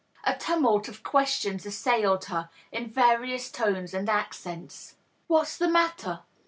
A tumult of questions assailed her, in various tones and accents : "What's the matter?"